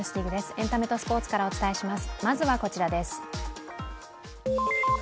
エンタメとスポーツからお伝えします。